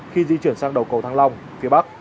khi di chuyển sang đầu cầu thăng long phía bắc